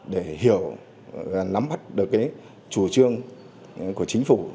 để hiểu và nắm mắt được chủ trương của chính phủ